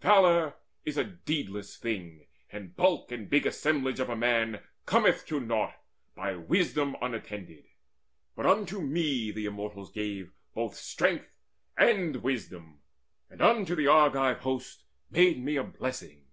Valour is a deedless thing; And bulk and big assemblage of a man Cometh to naught, by wisdom unattended. But unto me the Immortals gave both strength And wisdom, and unto the Argive host Made me a blessing.